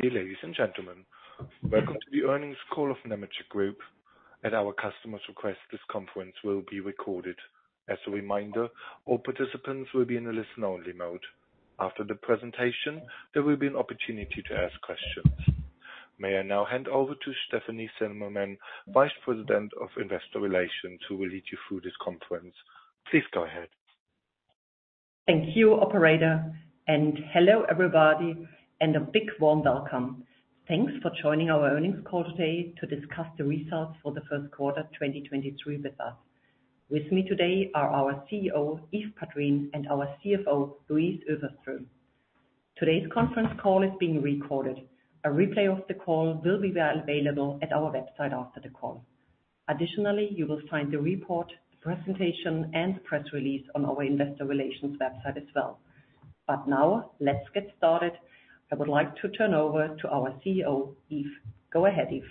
Dear ladies and gentlemen, welcome to the earnings call of Nemetschek Group. At our customer's request, this conference will be recorded. As a reminder, all participants will be in a listen-only mode. After the presentation, there will be an opportunity to ask questions. May I now hand over to Stefanie Zimmermann, Vice President of Investor Relations, who will lead you through this conference. Please go ahead. Thank you operator, and hello everybody and a big warm welcome. Thanks for joining our earnings call today to discuss the results for the 1st quarter of 2023 with us. With me today are our CEO, Yves Padrines, and our CFO, Louise Öfverström. Today's conference call is being recorded. A replay of the call will be available at our website after the call. Additionally, you will find the report, presentation and press release on our investor relations website as well. Now let's get started. I would like to turn over to our CEO, Yves. Go ahead, Yves.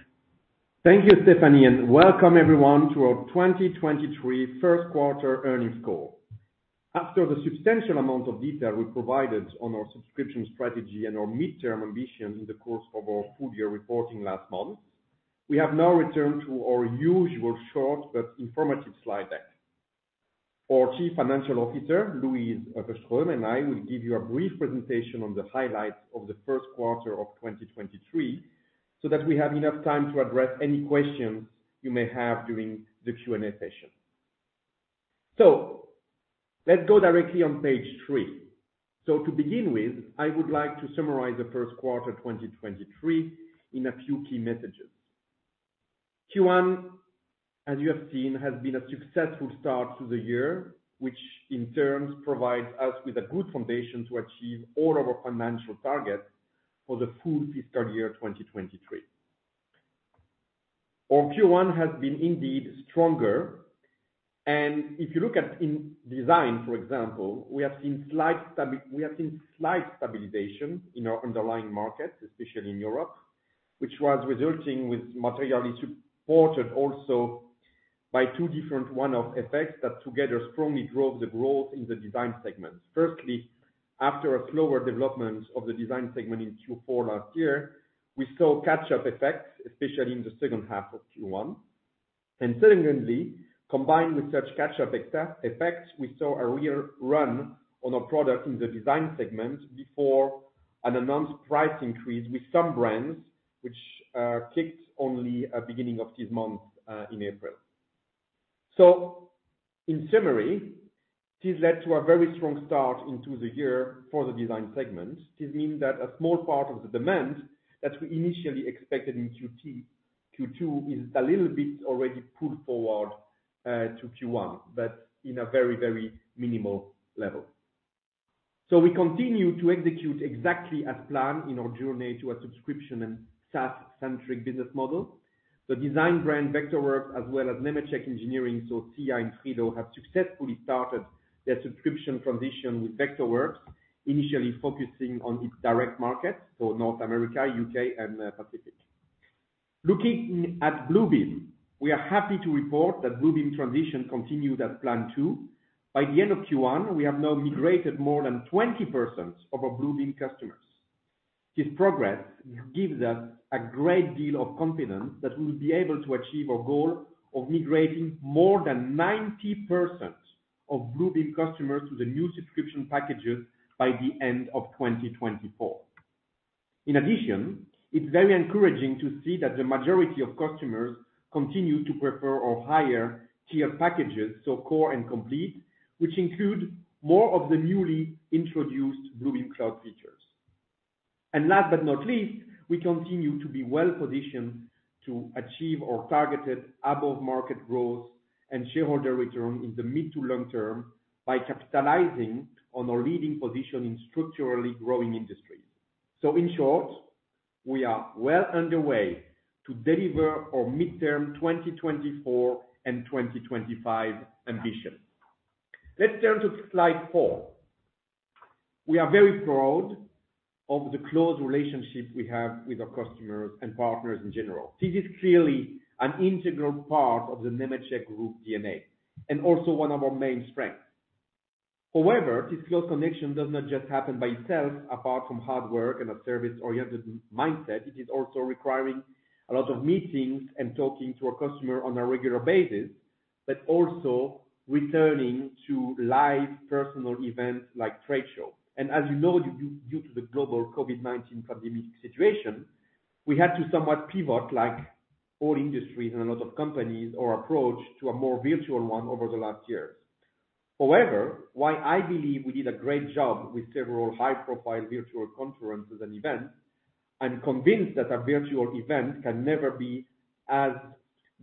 Thank you, Stefanie Zimmermann, and welcome everyone to our 2023 first quarter earnings call. After the substantial amount of detail we provided on our subscription strategy and our midterm ambitions in the course of our full year reporting last month, we have now returned to our usual short but informative slide deck. Our Chief Financial Officer, Louise Öfverström, and I will give you a brief presentation on the highlights of the first quarter of 2023, so that we have enough time to address any questions you may have during the Q&A session. Let's go directly on Page 3. To begin with, I would like to summarize the first quarter 2023 in a few key messages. Q1, as you have seen, has been a successful start to the year, which in turn provides us with a good foundation to achieve all of our financial targets for the full fiscal year, 2023. Our Q1 has been indeed stronger. If you look at in design, for example, we have seen slight stabilization in our underlying markets, especially in Europe, which was resulting with materially supported also by two different one-off effects that together strongly drove the growth in the design segment. Firstly, after a slower development of the design segment in Q4 last year, we saw catch-up effects, especially in the second half of Q1. Secondly, combined with such catch-up effects, we saw a real run on our product in the design segment before an announced price increase with some brands which kicked only at beginning of this month in April. In summary, this led to a very strong start into the year for the design segment. This means that a small part of the demand that we initially expected in Q2 is a little bit already pulled forward to Q1, but in a very minimal level. We continue to execute exactly as planned in our journey to a subscription and SaaS centric business model. The design brand Vectorworks as well as Nemetschek engineering, so SCIA and FRILO have successfully started their subscription transition with Vectorworks, initially focusing on its direct markets, so North America, U.K. and Pacific. Looking at Bluebeam, we are happy to report that Bluebeam transition continued as planned too. By the end of Q1, we have now migrated more than 20% of our Bluebeam customers. This progress gives us a great deal of confidence that we'll be able to achieve our goal of migrating more than 90% of Bluebeam customers to the new subscription packages by the end of 2024. It's very encouraging to see that the majority of customers continue to prefer our higher tier packages, so Core and Complete, which include more of the newly introduced Bluebeam Cloud features. Last but not least, we continue to be well-positioned to achieve our targeted above market growth and shareholder return in the mid to long term by capitalizing on our leading position in structurally growing industries. In short, we are well underway to deliver our midterm 2024 and 2025 ambitions. Let's turn to Slide 4. We are very proud of the close relationship we have with our customers and partners in general. This is clearly an integral part of the Nemetschek Group DNA and also one of our main strengths. This close connection does not just happen by itself apart from hard work and a service-oriented mindset, it is also requiring a lot of meetings and talking to our customer on a regular basis, but also returning to live personal events like trade shows. As you know, due to the global COVID-19 pandemic situation, we had to somewhat pivot, like all industries and a lot of companies or approach to a more virtual one over the last years. However, while I believe we did a great job with several high-profile virtual conferences and events, I'm convinced that a virtual event can never be as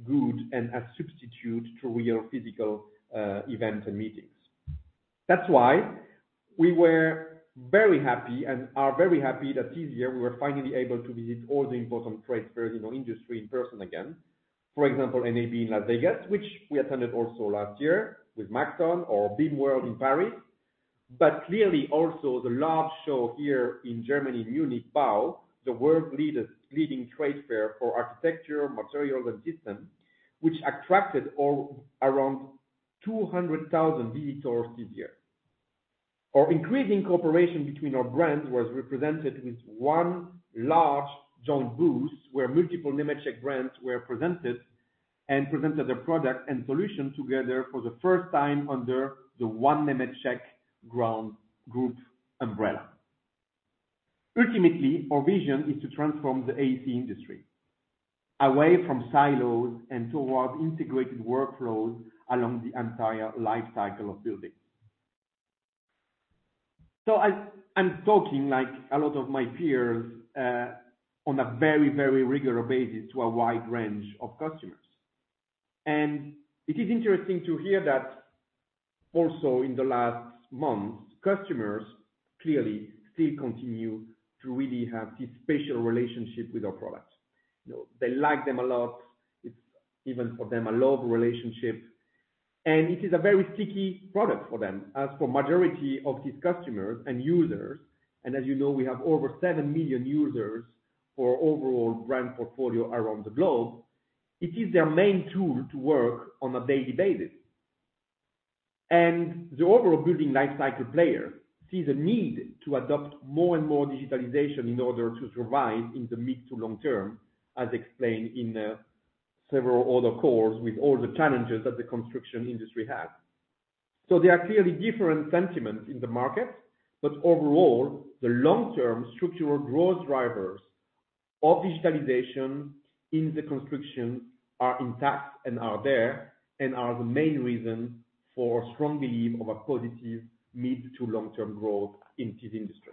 good and as substitute to real physical events and meetings. That's why we were very happy and are very happy that this year we were finally able to visit all the important trade fairs in our industry in person again. For example, NAB in Las Vegas, which we attended also last year with Maxon or BIM World in Paris. Clearly also the large show here in Germany, in Munich, BAU, the world-leading trade fair for architecture, materials and systems, which attracted all around 200,000 visitors this year. Our increasing cooperation between our brands was represented with one large joint booth, where multiple Nemetschek brands were presented, and presented their product and solution together for the first time under the one Nemetschek Group umbrella. Ultimately, our vision is to transform the AEC industry away from silos and towards integrated workflows along the entire life cycle of buildings. I'm talking like a lot of my peers, on a very regular basis to a wide range of customers. It is interesting to hear that also in the last months, customers clearly still continue to really have this special relationship with our products. You know, they like them a lot. It's even for them, a love relationship. It is a very sticky product for them as for majority of these customers and users, and as you know, we have over 7 million users for overall brand portfolio around the globe. It is their main tool to work on a daily basis. The overall building life cycle player sees a need to adopt more and more digitalization in order to survive in the mid to long term, as explained in several other calls with all the challenges that the construction industry has. There are clearly different sentiments in the market, but overall, the long-term structural growth drivers of digitalization in the construction are intact and are there and are the main reason for strong belief of a positive mid to long-term growth in this industry.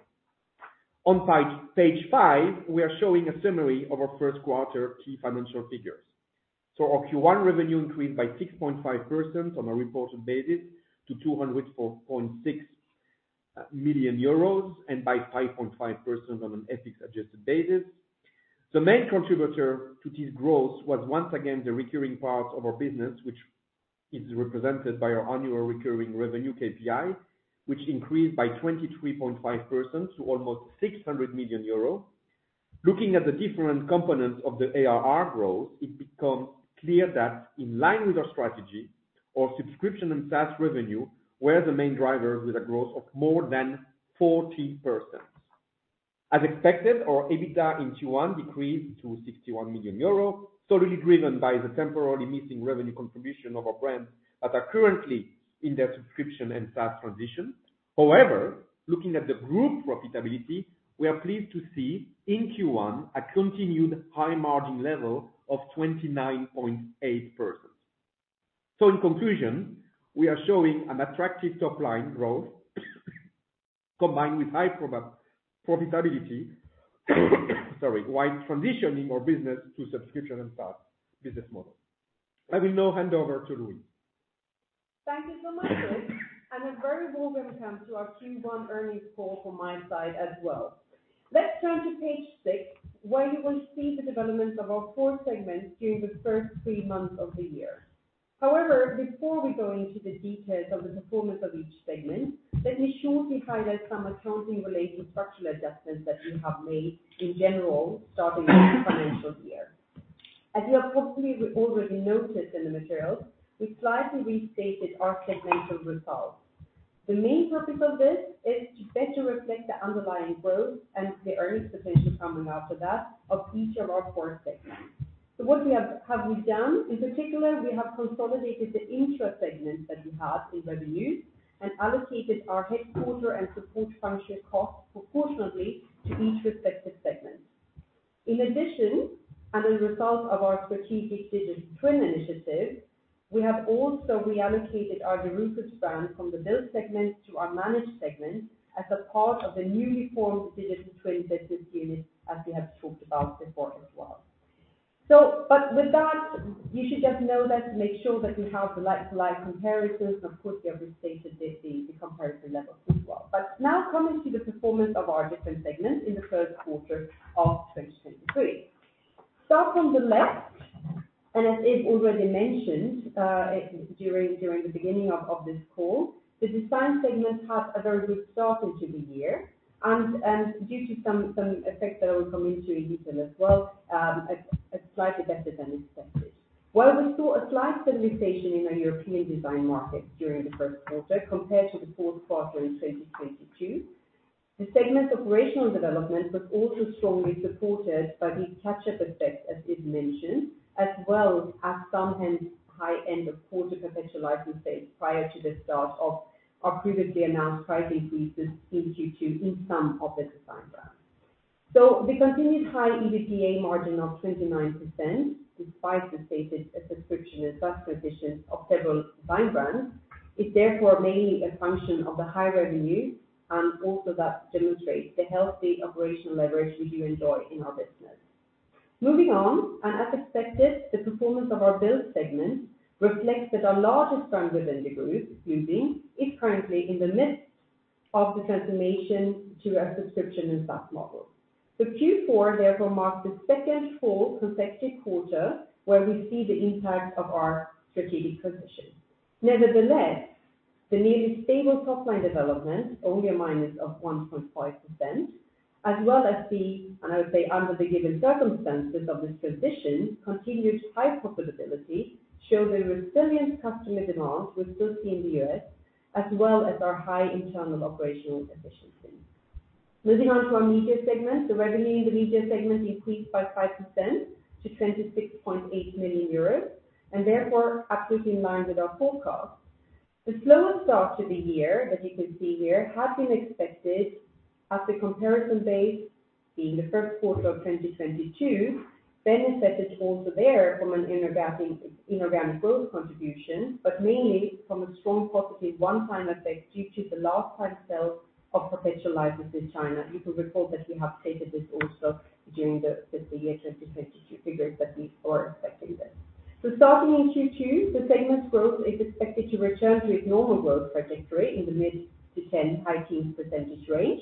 On Page 5, we are showing a summary of our first quarter key financial figures. Our Q1 revenue increased by 6.5% on a reported basis to 204.6 million euros and by 5.5% on an FX-adjusted basis. The main contributor to this growth was once again the recurring part of our business, which is represented by our annual recurring revenue KPI, which increased by 23.5% to almost 600 million euros. Looking at the different components of the ARR growth, it becomes clear that in line with our strategy, our subscription and SaaS revenue were the main drivers with a growth of more than 40%. As expected, our EBITDA in Q1 decreased to 61 million euros, solely driven by the temporarily missing revenue contribution of our brands that are currently in their subscription and SaaS transition. Looking at the group profitability, we are pleased to see in Q1 a continued high margin level of 29.8%. In conclusion, we are showing an attractive top-line growth combined with high pro-profitability, sorry, while transitioning our business to subscription and SaaS business model. I will now hand over to Louise. Thank you so much, Yves. A very warm welcome to our Q1 earnings call from my side as well. Let's turn to Page 6, where you will see the development of our 4 segments during the first 3 months of the year. However, before we go into the details of the performance of each segment, let me shortly highlight some accounting-related structural adjustments that we have made in general starting this financial year. As you have possibly already noticed in the materials, we slightly restated our segmental results. The main purpose of this is to better reflect the underlying growth and the earnings potential coming after that of each of our 4 segments. What we have done? In particular, we have consolidated the intra segment that we have in revenues and allocated our headquarter and support function costs proportionately to each respective segment. In addition, and as a result of our strategic Digital Twin initiative, we have also reallocated our Graphisoft brand from the build segment to our manage segment as a part of the newly formed Digital Twin business unit, as we have talked about before as well. With that, you should just know that to make sure that we have the like-to-like comparisons, of course, we have restated the comparison levels as well. Now coming to the performance of our different segments in the first quarter of 2023. Start from the left, and as Yves already mentioned, during the beginning of this call, the design segment had a very good start into the year and due to some effects that I will come into in detail as well, a slightly better than expected. While we saw a slight stabilization in our European design market during the first quarter compared to the fourth quarter in 2022, the segment's operational development was also strongly supported by the catch-up effect, as Yves mentioned, as well as some high end of quarter perpetual license sales prior to the start of our previously announced price increases in Q2 in some of the design brands. The continued high EBITDA margin of 29%, despite the stated subscription and SaaS transition of several design brands, is therefore mainly a function of the high revenue and also that demonstrates the healthy operational leverage we do enjoy in our business. Moving on, as expected, the performance of our build segment reflects that our largest brand within the group, Bluebeam, is currently in the midst of the transformation to a subscription and SaaS model. The Q4 therefore marks the second full consecutive quarter where we see the impact of our strategic transition. Nevertheless. The nearly stable top line development, only a minus of 1.5%, as well as the, and I would say under the given circumstances of this transition, continued high profitability show the resilient customer demands we still see in the U.S., as well as our high internal operational efficiency. Moving on to our Media Segment. The revenue in the Media Segment increased by 5% to 26.8 million euros, and therefore absolutely in line with our forecast. The slower start to the year, as you can see here, had been expected as the comparison base in the first quarter of 2022, benefited also there from an inorganic growth contribution, but mainly from a strong possibly one-time effect due to the last-time sale of perpetual licenses in China. You can recall that we have stated this also during the year 2022 figures that we were expecting this. Starting in Q2, the segment's growth is expected to return to its normal growth trajectory in the mid- to high-teens % range.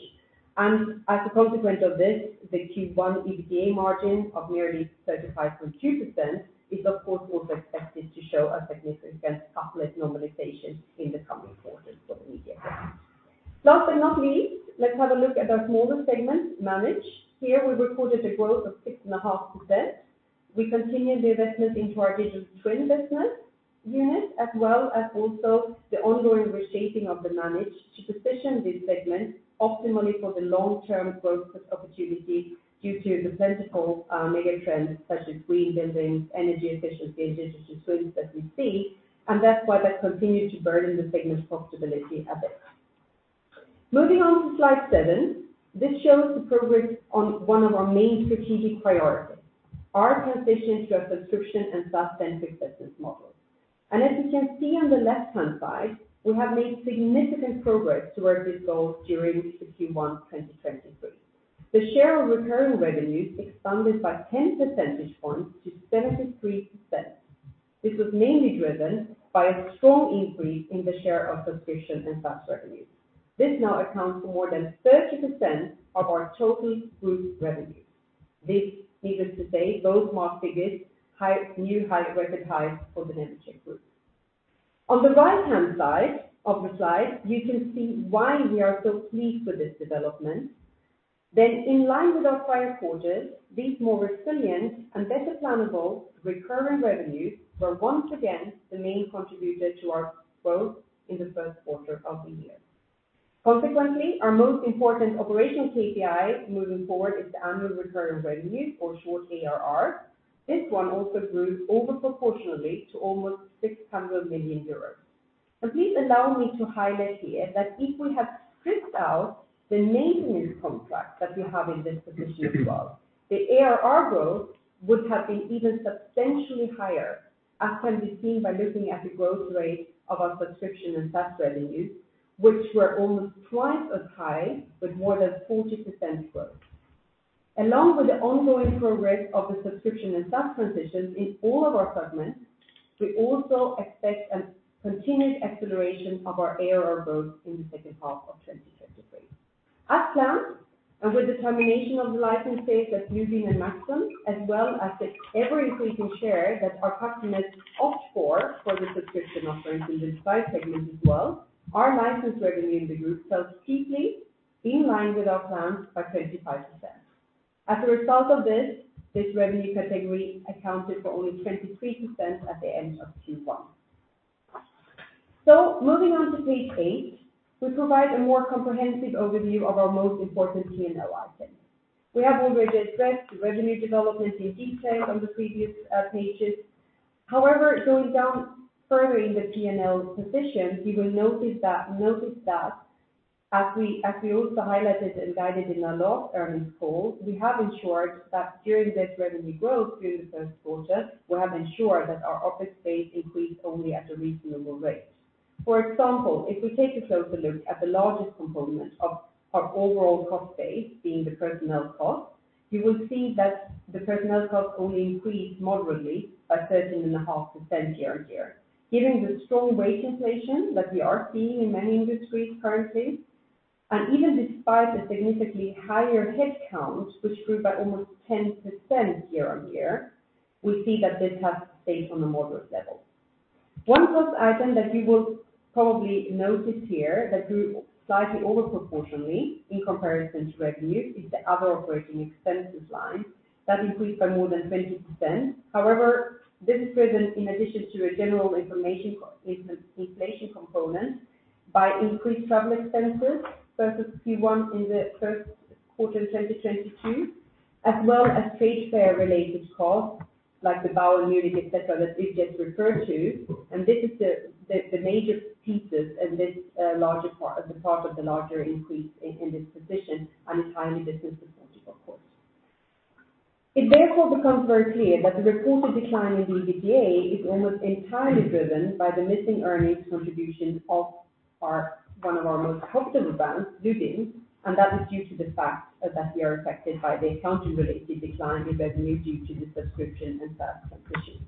As a consequence of this, the Q1 EBITDA margin of nearly 35.2% is of course, also expected to show a significant uplift normalization in the coming quarters for the Media segment. Last but not least, let's have a look at our smallest segment, Manage. Here we recorded a growth of 6.5%. We continue the investment into our Digital Twin business unit, as well as also the ongoing reshaping of the Manage to position this segment optimally for the long-term growth opportunity due to the plentiful mega-trends such as green buildings, energy efficiency, Digital Twins that we see, that's why that continued to burden the segment's profitability a bit. Moving on to Slide 7. This shows the progress on one of our main strategic priorities, our transition to a subscription and SaaS-centric business model. As you can see on the left-hand side, we have made significant progress towards this goal during the Q1 2023. The share of recurring revenues expanded by 10 percentage points to 73%. This was mainly driven by a strong increase in the share of subscription and SaaS revenues. This now accounts for more than 30% of our total group revenues. This, needless to say, those more figures, new high record highs for the Nemetschek Group. On the right-hand side of the slide, you can see why we are so pleased with this development. In line with our prior quarters, these more resilient and better plannable recurring revenues were once again the main contributor to our growth in the first quarter of the year. Consequently, our most important operational KPI moving forward is the annual recurring revenue or short ARR. This one also grew over proportionally to almost 600 million euros. Please allow me to highlight here that if we had stripped out the maintenance contracts that we have in this position as well, the ARR growth would have been even substantially higher, as can be seen by looking at the growth rate of our subscription and SaaS revenues, which were almost twice as high with more than 40% growth. Along with the ongoing progress of the subscription and SaaS transitions in all of our segments, we also expect a continued acceleration of our ARR growth in the second half of 2023. As planned, with the termination of the license base at Bluebeam and Maxon, as well as the ever-increasing share that our customers opt for the subscription offerings in this five segments as well, our license revenue in the group fell steeply in line with our plans by 25%. As a result of this revenue category accounted for only 23% at the end of Q1. Moving on to Page 8, we provide a more comprehensive overview of our most important P&L items. We have already addressed revenue development in detail on the previous pages. However, going down further in the P&L position, you will notice that as we also highlighted and guided in our last earnings call, we have ensured that during this revenue growth through the first quarter, we have ensured that our OpEx base increased only at a reasonable rate. For example, if we take a closer look at the largest component of our overall cost base being the personnel costs, you will see that the personnel costs only increased moderately by 13.5% year-on-year. Given the strong wage inflation that we are seeing in many industries currently, and even despite a significantly higher headcount, which grew by almost 10% year-on-year, we see that this has stayed on a moderate level. One plus item that you will probably notice here that grew slightly over proportionally in comparison to revenues, is the other Operating Expenses line that increased by more than 20%. This is driven in addition to a general inflation component by increased travel expenses versus Q1 in the first quarter in 2022 as well as trade fair related costs like the BAU in Munich, et cetera, that Yves referred to, and this is the major pieces in this as a part of the larger increase in this position and entirely business as usual, of course. It therefore becomes very clear that the reported decline in EBITDA is almost entirely driven by the missing earnings contribution of one of our most profitable brands, Bluebeam, and that is due to the fact that they are affected by the accounting-related decline in revenue due to the subscription and SaaS transition.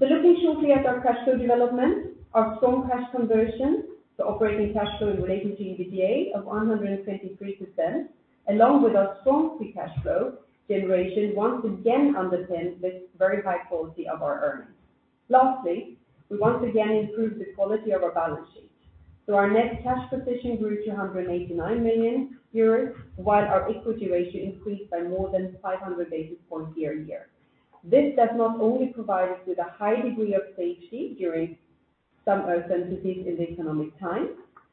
Looking shortly at our cash flow development, our strong cash conversion, the operating cash flow in relation to EBITDA of 123%, along with our strong free cash flow generation, once again underpins this very high quality of our earnings. Lastly, we once again improved the quality of our balance sheet. Our net cash position grew to 189 million euros, while our equity ratio increased by more than 500 basis points year-over-year. This does not only provide us with a high degree of safety during some uncertainties in economic times,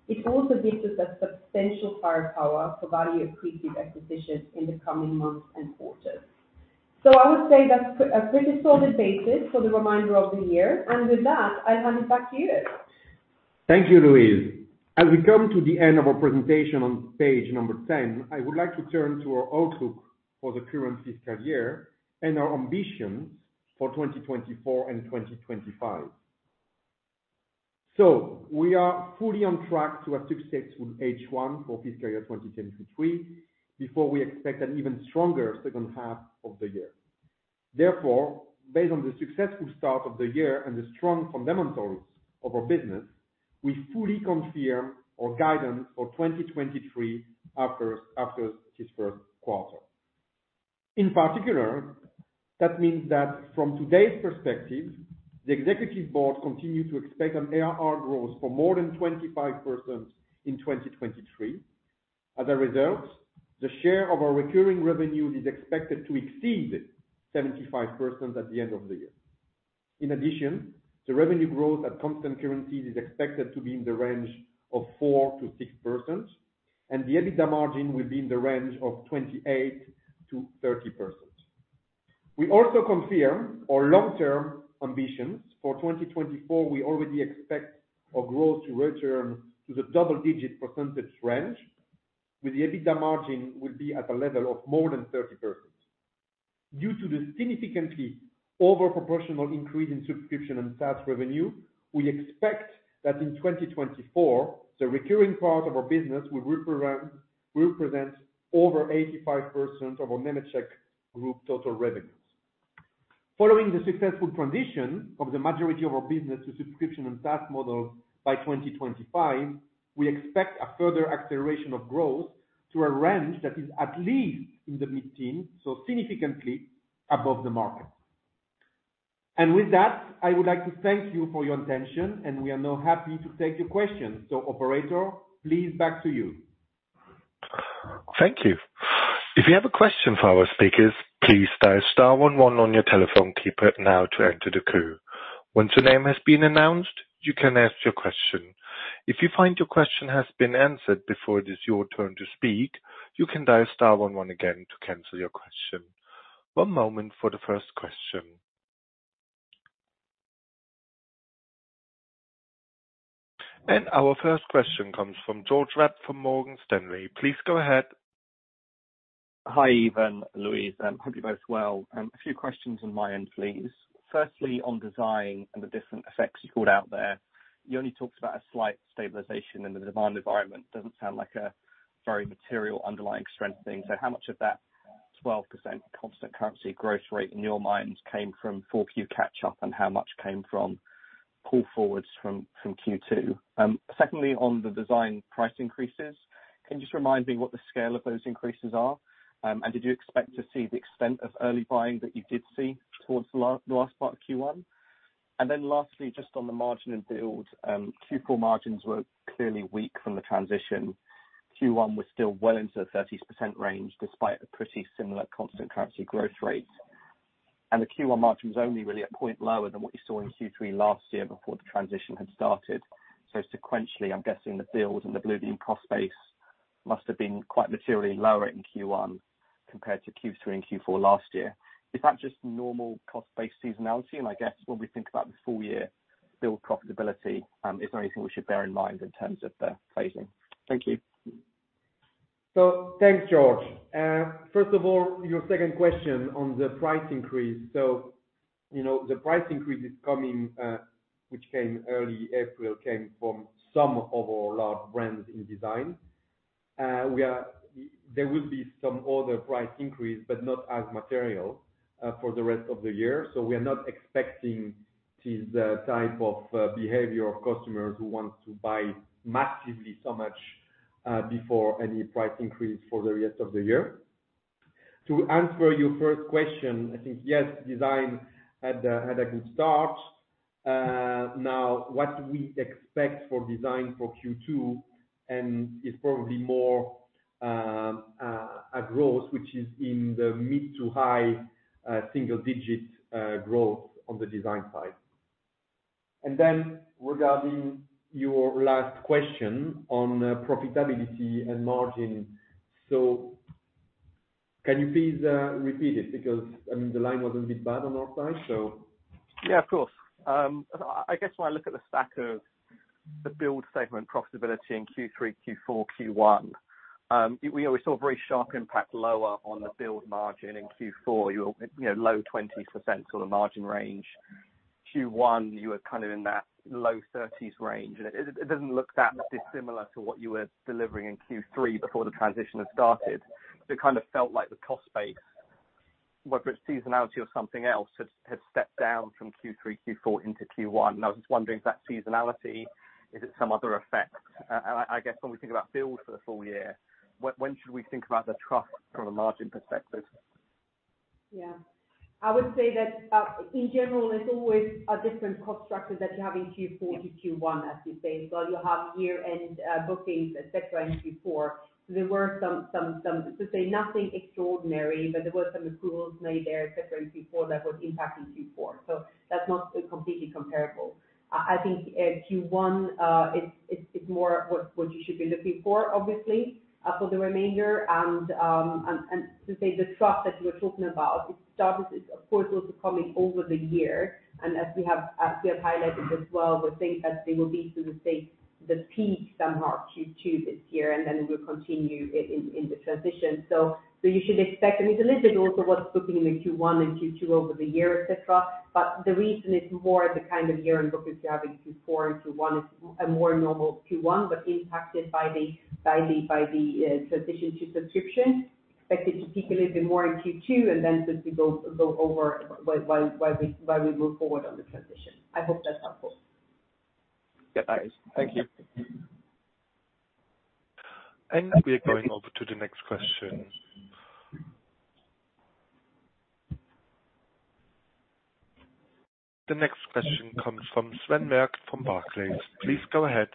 it also gives us a substantial firepower for value accretive acquisitions in the coming months and quarters. I would say that's a pretty solid basis for the remainder of the year. With that, I'll hand it back to Yves. Thank you, Louise. As we come to the end of our presentation on Page 10, I would like to turn to our outlook for the current fiscal year and our ambitions for 2024 and 2025. We are fully on track to a successful H1 for fiscal year 2023, before we expect an even stronger second half of the year. Therefore, based on the successful start of the year and the strong fundamentals of our business, we fully confirm our guidance for 2023 after this first quarter. In particular, that means that from today's perspective, the executive board continued to expect an ARR growth for more than 25% in 2023. As a result, the share of our recurring revenue is expected to exceed 75% at the end of the year. The revenue growth at constant currencies is expected to be in the range of 4%-6%, and the EBITDA margin will be in the range of 28%-30%. We also confirm our long-term ambitions. For 2024, we already expect our growth to return to the double-digit percentage range, with the EBITDA margin will be at a level of more than 30%. Due to the significantly over proportional increase in subscription and SaaS revenue, we expect that in 2024, the recurring part of our business will represent over 85% of our Nemetschek Group total revenues. Following the successful transition of the majority of our business to subscription and SaaS model by 2025, we expect a further acceleration of growth to a range that is at least in the mid-teen, significantly above the market. With that, I would like to thank you for your attention, and we are now happy to take your questions. Operator, please back to you. Thank you. If you have a question for our speakers, please dial star one one on your telephone keypad now to enter the queue. Once your name has been announced, you can ask your question. If you find your question has been answered before it is your turn to speak, you can dial star one one again to cancel your question. One moment for the first question. Our first question comes from George Webb, from Morgan Stanley. Please go ahead. Hi, Yves, Louise. Hope you're both well. A few questions on my end, please. Firstly, on design and the different effects you called out there, you only talked about a slight stabilization in the demand environment. Doesn't sound like a very material underlying strength thing. How much of that 12% constant currency growth rate in your minds came from four Q catch-up, and how much came from pull forwards from Q-two? Secondly, on the design price increases, can you just remind me what the scale of those increases are? Did you expect to see the extent of early buying that you did see towards the last part of Q-one? Lastly, just on the margin and build, Q-four margins were clearly weak from the transition. Q-one was still well into the 30s% range despite a pretty similar constant currency growth rate. The Q-one margin was only really a 1 point lower than what you saw in Q-three last year before the transition had started. Sequentially, I'm guessing the Build and the Bluebeam cost base must have been quite materially lower in Q-one compared to Q-three and Q-four last year. Is that just normal cost-based seasonality? I guess when we think about the full year Build profitability, is there anything we should bear in mind in terms of the phasing? Thank you. Thanks, George. first of all, your second question on the price increase. You know, the price increase is coming, which came early April, came from some of our large brands in design. There will be some other price increase, but not as material for the rest of the year. We are not expecting this type of behavior of customers who want to buy massively so much before any price increase for the rest of the year. To answer your first question, I think, yes, design had a good start. Now what we expect for design for Q-two is probably more a growth which is in the mid to high single digits growth on the design side. Regarding your last question on profitability and margin. Can you please, repeat it? Because, I mean, the line was a bit bad on our side, so. Yeah, of course. I guess when I look at the stack of the Build segment profitability in Q-three, Q-four, Q-one, we saw a very sharp impact lower on the build margin in Q-four. You were, you know, low 20% sort of margin range. Q-one, you were kind of in that low 30s range. It doesn't look that dissimilar to what you were delivering in Q-three before the transition had started. It kind of felt like the cost base, whether it's seasonality or something else, had stepped down from Q-three, Q-four into Q-one. I was just wondering if that's seasonality, is it some other effect? I guess when we think about Build for the full year, when should we think about the thrust from a margin perspective? I would say that, in general, there's always a different cost structure that you have in Q4 to Q1, as you say. You have year-end bookings, et cetera, in Q4. There were some, To say nothing extraordinary, but there were some approvals made there, et cetera, in Q4 that was impacting Q4. That's not completely comparable. I think, Q1, it's more what you should be looking for, obviously, for the remainder and, to say the thrust that you were talking about, it, of course, also coming over the year. As we have highlighted as well, we think as they will be to the state, the peak somehow Q2 this year, then we'll continue in the transition. You should expect, I mean, a little bit also what's booking in the Q1 and Q2 over the year, et cetera. The reason it's more the kind of year-end bookings you have in Q4 and Q1 is a more normal Q1, but impacted by the transition to subscription. Expect it to peak a little bit more in Q2, and then since we go over while we move forward on the transition. I hope that's helpful. Yeah. Thank you. We are going over to the next question. The next question comes from Sven Merkt from Barclays. Please go ahead.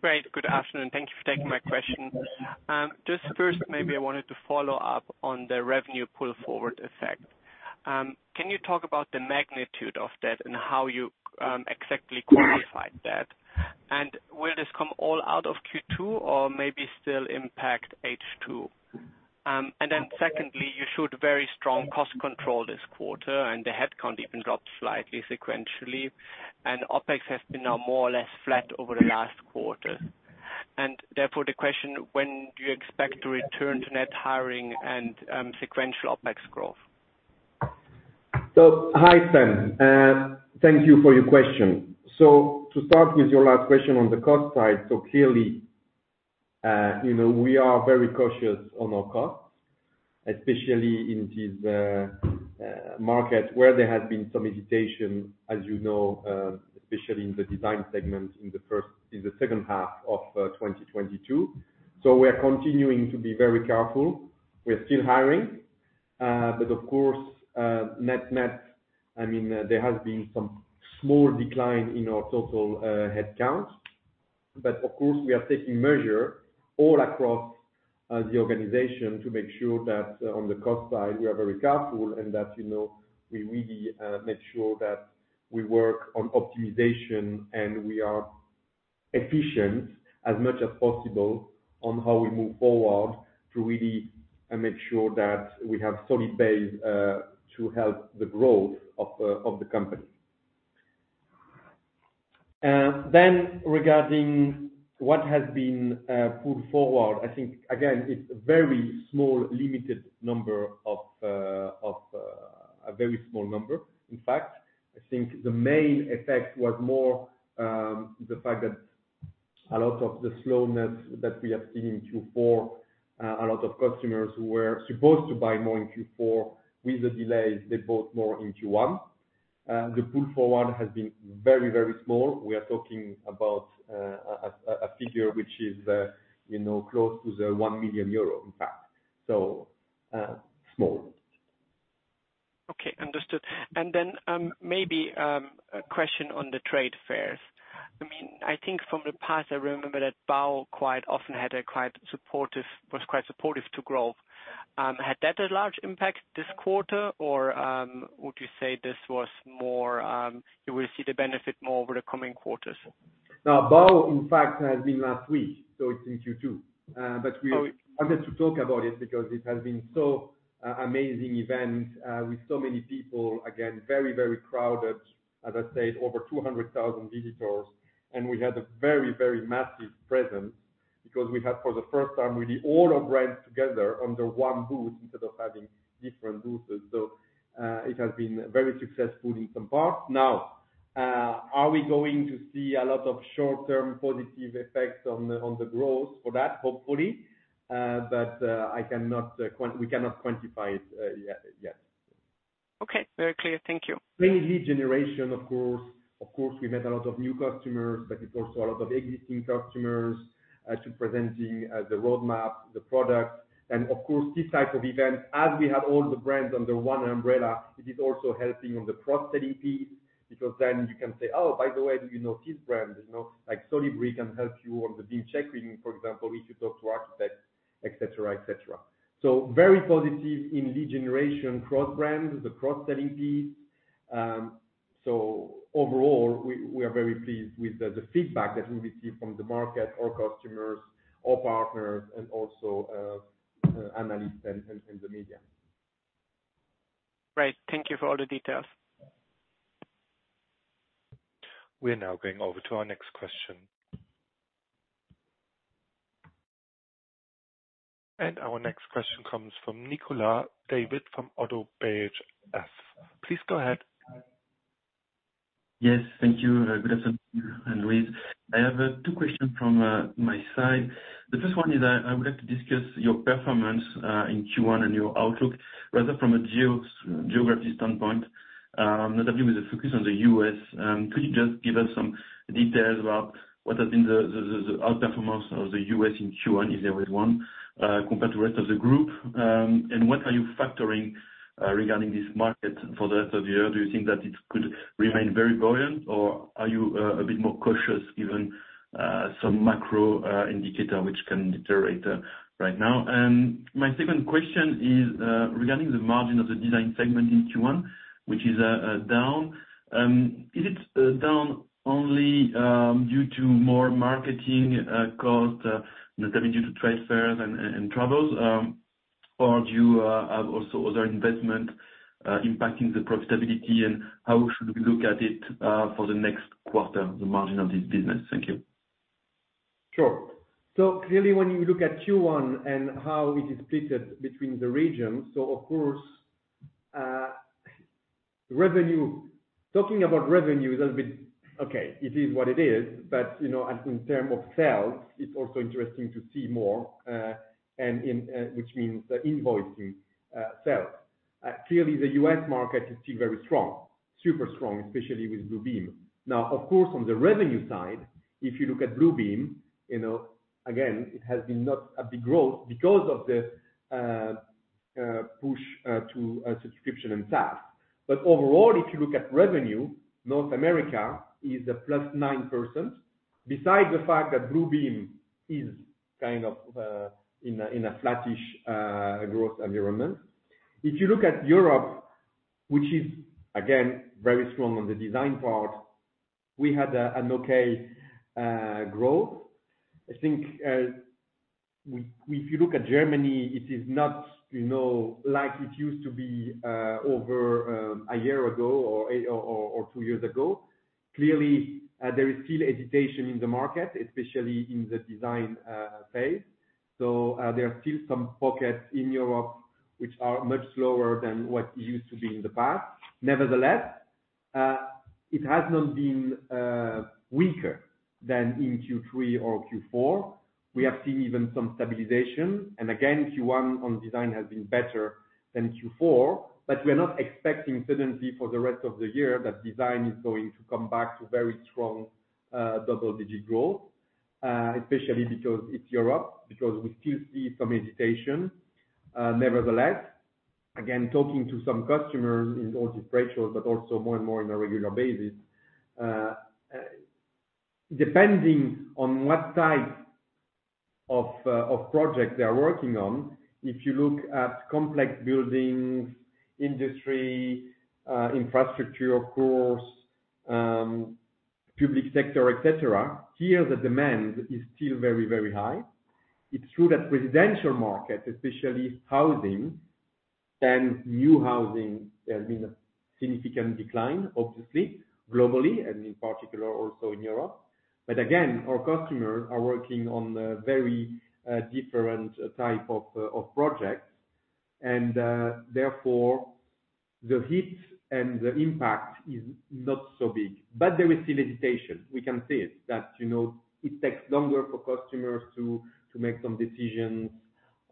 Great. Good afternoon. Thank you for taking my question. Just first maybe I wanted to follow up on the revenue pull forward effect. Can you talk about the magnitude of that and how you exactly quantified that? Will this come all out of Q2 or maybe still impact H2? Secondly, you showed very strong cost control this quarter, the headcount even dropped slightly sequentially. OpEx has been now more or less flat over the last quarter. Therefore, the question, when do you expect to return to net hiring and sequential OpEx growth? Hi, Sven, and thank you for your question. To start with your last question on the cost side, clearly, you know, we are very cautious on our costs, especially in these markets where there has been some hesitation, as you know, especially in the design segment in the second half of 2022. We are continuing to be very careful. We're still hiring. Of course, net, I mean, there has been some small decline in our total headcount. Of course, we are taking measure all across the organization to make sure that on the cost side, we are very careful and that, you know, we really make sure that we work on optimization, and we are efficient as much as possible on how we move forward to really make sure that we have solid base to help the growth of the company. Regarding what has been pulled forward, I think again, it's a very small limited number of a very small number. In fact, I think the main effect was more the fact that a lot of the slowness that we have seen in Q4, a lot of customers who were supposed to buy more in Q4, with the delays, they bought more in Q1. The pull forward has been very, very small. We are talking about a figure which is, you know, close to the 1 million euro, in fact. Small. Okay. Understood. Maybe, a question on the trade fairs. I mean, I think from the past, I remember that BAU quite often was quite supportive to growth. Had that a large impact this quarter? Or, would you say this was more, you will see the benefit more over the coming quarters? Now, NAB, in fact, has been last week, so it's in Q2. But we are yet to talk about it because it has been so amazing event, with so many people, again, very crowded, as I said, over 200,000 visitors. We had a very massive presence because we had for the first time, really all our brands together under one booth instead of having different booths. It has been very successful in some parts. Now, are we going to see a lot of short-term positive effects on the, on the growth for that? Hopefully. But I cannot quantify it yet. Okay. Very clear. Thank you. Mainly lead generation, of course. Of course, we met a lot of new customers, but it's also a lot of existing customers, to presenting, the roadmap, the products. Of course, this type of event, as we have all the brands under one umbrella, it is also helping on the cross-selling piece because then you can say, "Oh, by the way, do you know this brand?" You know, like, Solibri can help you on the BIM check review, for example, if you talk to architects, et cetera, et cetera. So very positive in lead generation cross-brand, the cross-selling piece. So overall, we are very pleased with the feedback that we receive from the market, our customers, our partners, and also, analysts and, the media. Great. Thank you for all the details. We are now going over to our next question. Our next question comes from Nicolas David from ODDO BHF. Please go ahead. Yes, thank you. Good afternoon, Yves and Louise. I have two questions from my side. The first one is I would like to discuss your performance in Q1 and your outlook, rather from a geography standpoint, notably with the focus on the U.S. Could you just give us some details about what has been the outperformance of the U.S. in Q1, if there was one, compared to rest of the group? What are you factoring regarding this market for the rest of the year? Do you think that it could remain very buoyant, or are you a bit more cautious given some macro indicator which can deteriorate right now? My second question is regarding the margin of the Design Segment in Q1, which is down. Is it down only due to more marketing costs notably due to trade fairs and travels? Or do you have also other investment impacting the profitability, and how should we look at it for the next quarter, the margin of this business? Thank you. Sure. Clearly, when you look at Q1 and how it is split between the regions, of course, revenue. Talking about revenue is a bit. Okay, it is what it is, but, you know, as in terms of sales, it's also interesting to see more, and in, which means the invoicing, sales. Clearly the U.S. market is still very strong, super strong, especially with Bluebeam. Now, of course, on the revenue side, if you look at Bluebeam, you know, again, it has been not a big growth because of the push to a subscription and SaaS. Overall, if you look at revenue, North America is a plus 9%. Besides the fact that Bluebeam is kind of in a flattish growth environment. If you look at Europe, which is again, very strong on the design part, we had an okay growth. I think, if you look at Germany, it is not, you know, like it used to be over a year ago or two years ago. Clearly, there is still hesitation in the market, especially in the design phase. There are still some pockets in Europe which are much slower than what used to be in the past. Nevertheless, it has not been weaker than in Q3 or Q4. We have seen even some stabilization. Again, Q1 on design has been better than Q4. We are not expecting suddenly for the rest of the year that design is going to come back to very strong, double-digit growth, especially because it's Europe, because we still see some hesitation. Nevertheless, again, talking to some customers in all these virtual but also more and more on a regular basis. Depending on what type of project they are working on, if you look at complex buildings, industry, infrastructure, of course, public sector, et cetera, here the demand is still very, very high. It's true that residential market, especially housing and new housing, there's been a significant decline, obviously, globally and in particular also in Europe. Again, our customers are working on a very different type of projects, and, therefore, the hit and the impact is not so big. There is still hesitation. We can see it that, you know, it takes longer for customers to make some decisions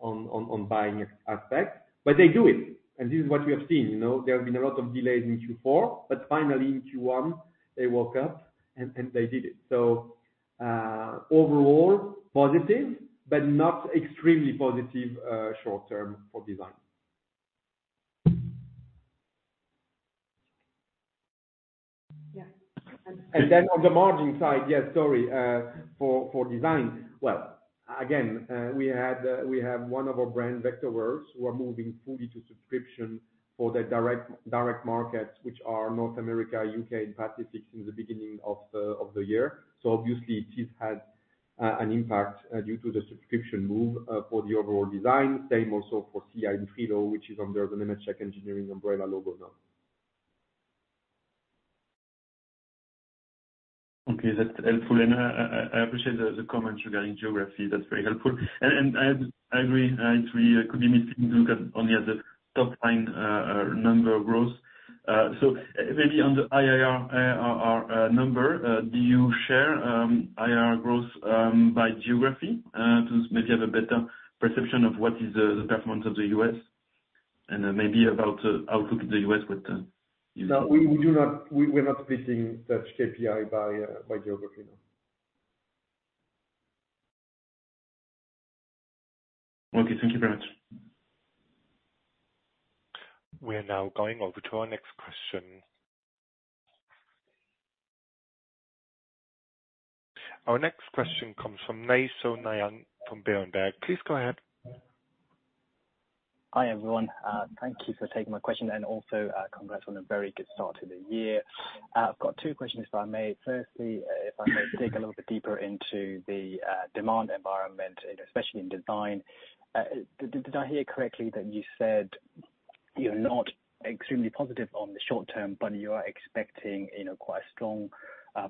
on buying aspect. They do it, and this is what we have seen, you know. There have been a lot of delays in Q4, but finally in Q1, they woke up and they did it. Overall positive, but not extremely positive, short term for design. Yeah. On the margin side, yes, sorry, for design. Well, again, we have one of our brand Vectorworks who are moving fully to subscription for the direct markets, which are North America, U.K. and Pacific in the beginning of the year. Obviously this has an impact due to the subscription move for the overall design. Same also for SCIA and FRILO, which is under the Nemetschek engineering umbrella logo now. Okay, that's helpful. I appreciate the comments regarding geography. That's very helpful. I agree, it really could be misleading to look at only at the top-line number growth. Maybe on the ARR number, do you share ARR growth by geography to maybe have a better perception of what is the performance of the U.S. and maybe about outlook of the U.S.? No, we're not splitting that KPI by geography, no. Okay, thank you very much. We are now going over to our next question. Our next question comes from Nay Soe Naing from Berenberg. Please go ahead. Hi, everyone. Thank you for taking my question and also, congrats on a very good start to the year. I've got two questions, if I may. Firstly, if I may dig a little bit deeper into the demand environment, especially in design. Did I hear correctly that you said you're not extremely positive on the short term, but you are expecting, you know, quite strong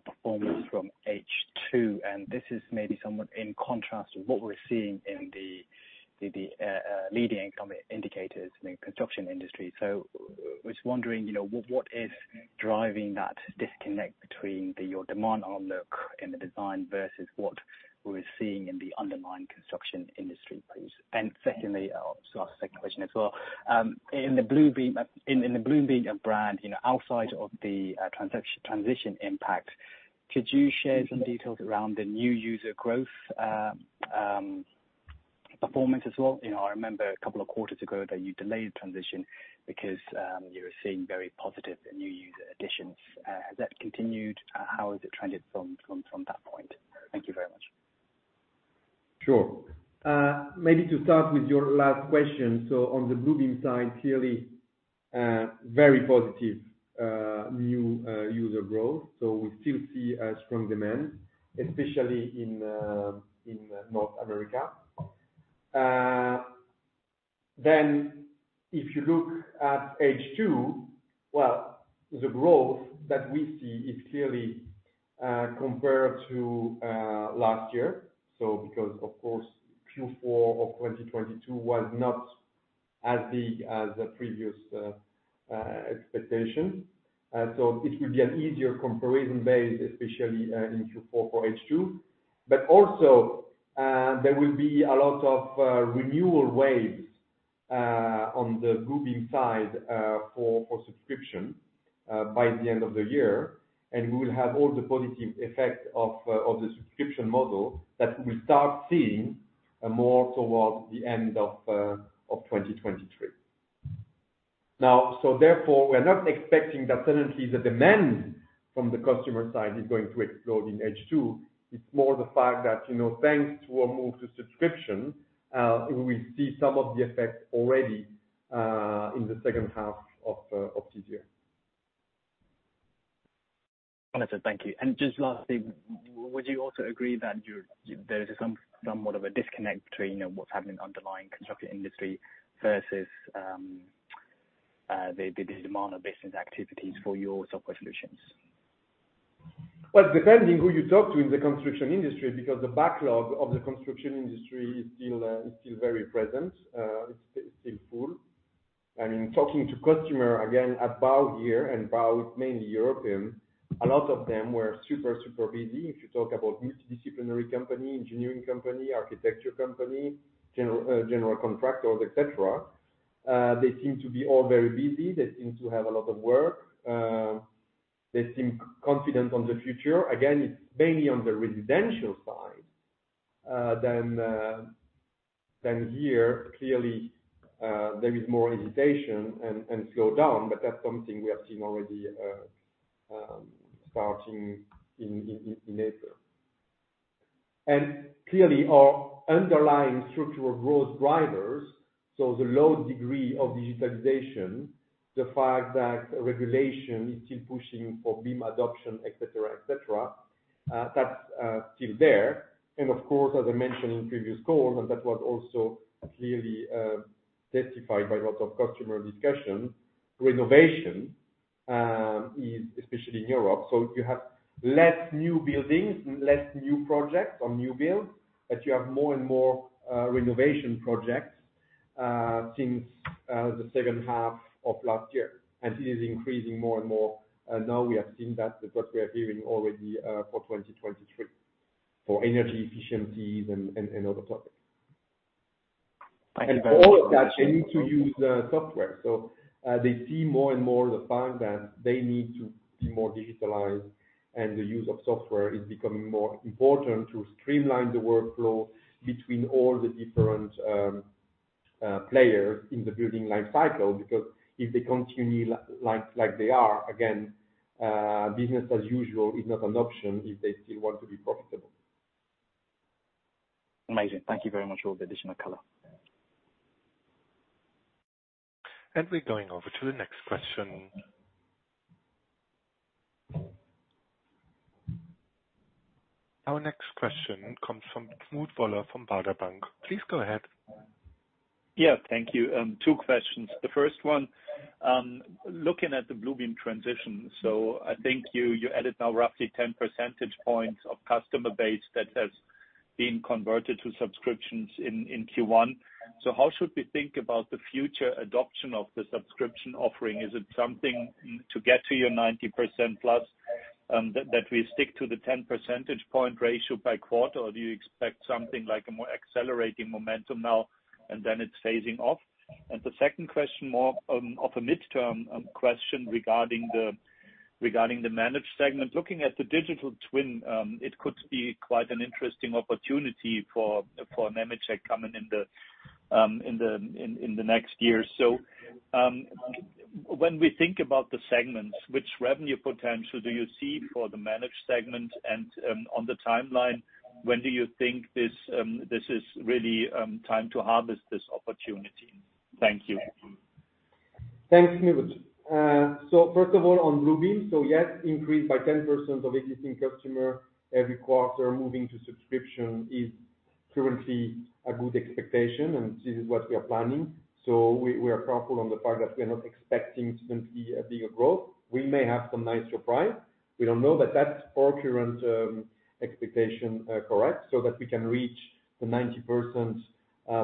performance from H2, and this is maybe somewhat in contrast to what we're seeing in the leading economic indicators in the construction industry. I was wondering, you know, what is driving that disconnect between your demand outlook in the design versus what we're seeing in the underlying construction industry, please? Secondly, second question as well, in the Bluebeam brand, you know, outside of the transition impact, could you share some details around the new user growth performance as well? You know, I remember a couple of quarters ago that you delayed transition because you were seeing very positive new user additions. Has that continued? How is it trending from that point? Thank you very much. Sure. Maybe to start with your last question. On the Bluebeam side, clearly very positive new user growth. We still see strong demand, especially in North America. If you look at H2, well, the growth that we see is clearly compared to last year. Because, of course, Q4 of 2022 was not as big as the previous expectations. It will be an easier comparison base, especially in Q4 for H2. There will be a lot of renewal waves on the Bluebeam side for subscription by the end of the year. We will have all the positive effect of the subscription model that we start seeing more towards the end of 2023. Therefore, we're not expecting that suddenly the demand from the customer side is going to explode in H2. It's more the fact that, you know, thanks to our move to subscription, we see some of the effects already in the second half of this year. Understood. Thank you. Just lastly, would you also agree that there is some, somewhat of a disconnect between, you know, what's happening in underlying construction industry versus the demand of business activities for your software solutions? Well, depending who you talk to in the construction industry, because the backlog of the construction industry is still very present, it's still full. I mean, talking to customer, again, at BAU here, BAU is mainly European, a lot of them were super busy. If you talk about multidisciplinary company, engineering company, architecture company, general contractors, et cetera, they seem to be all very busy. They seem to have a lot of work. They seem confident on the future. Again, it's mainly on the residential side, than here. Clearly, there is more hesitation and slow down, that's something we have seen already starting in April. Clearly our underlying structural growth drivers, so the low degree of digitalization, the fact that regulation is still pushing for BIM adoption, et cetera, et cetera, that's still there. Of course, as I mentioned in previous calls, and that was also clearly testified by a lot of customer discussion, renovation, is especially in Europe. You have less new buildings, less new projects or new build, but you have more and more renovation projects since the second half of last year. It is increasing more and more. Now we have seen that with what we are hearing already for 2023, for energy efficiencies and, and other topics. I think. All of that, they need to use software. They see more and more the fact that they need to be more digitalized and the use of software is becoming more important to streamline the workflow between all the different players in the building life cycle. If they continue like they are, again, business as usual is not an option if they still want to be profitable. Amazing. Thank you very much for all the additional color. We're going over to the next question. Our next question comes from Knut Woller from Baader Bank. Please go ahead. Yeah. Thank you. Two questions. The first one, looking at the Bluebeam transition. I think you added now roughly 10 percentage points of customer base that has been converted to subscriptions in Q1. How should we think about the future adoption of the subscription offering? Is it something to get to your 90% plus, that we stick to the 10 percentage point ratio by quarter? Or do you expect something like a more accelerating momentum now and then it's phasing off? The second question, more of a midterm question regarding the managed segment. Looking at the digital twin, it could be quite an interesting opportunity for Nemetschek coming in the next year. When we think about the segments, which revenue potential do you see for the managed segment? On the timeline, when do you think this is really, time to harvest this opportunity? Thank you. Thanks, Knut. First of all, on Bluebeam. Yes, increase by 10% of existing customer every quarter moving to subscription is currently a good expectation, and this is what we are planning. We are careful on the part that we are not expecting simply a bigger growth. We may have some nice surprise. We don't know that that's our current expectation, correct, so that we can reach the 90%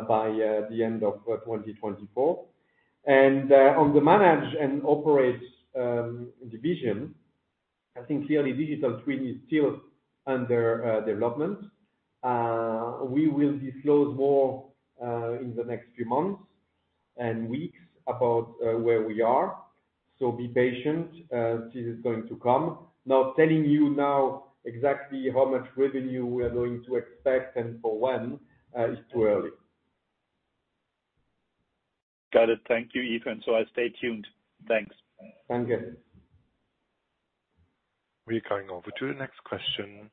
by the end of 2024. On the manage and operate division, I think clearly Digital Twin is still under development. We will disclose more in the next few months and weeks about where we are. Be patient, this is going to come. Telling you now exactly how much revenue we are going to expect and for when is too early. Got it. Thank you, Yves. I stay tuned. Thanks. Thank you. We're going over to the next question.